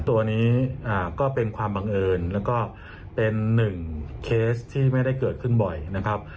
ตัวนี้ก็เป็นความบังเอิญแล้วก็เป็นหนึ่งเคสที่ไม่ได้เกิดขึ้นบ่อยนะครับ